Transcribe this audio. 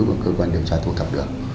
mà cơ quan điều tra thu thập được